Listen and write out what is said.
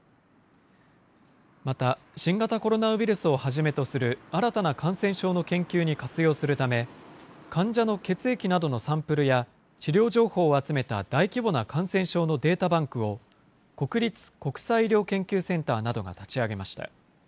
また、新型コロナウイルスをはじめとする新たな感染症の研究に活用するため、患者の血液などのサンプルや、治療情報を集めた大規模な感染症のデータバンクを国立国際医療研究センターなどが立ち上げました。